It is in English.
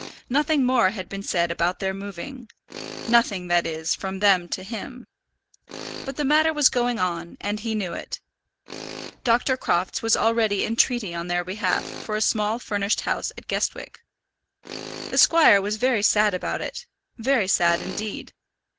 Nothing more had been said about their moving, nothing, that is, from them to him. But the matter was going on, and he knew it. Dr. Crofts was already in treaty on their behalf for a small furnished house at Guestwick. The squire was very sad about it, very sad indeed.